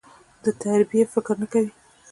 د تربيې فکر نه کوي.